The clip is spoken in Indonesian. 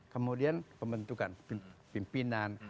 kemudian pembentukan pimpinan